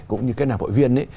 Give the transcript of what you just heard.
cũng như cái nạp hội viên